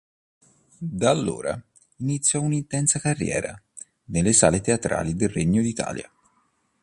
Da allora, iniziò un'intensa carriera nelle sale teatrali del Regno d'Italia.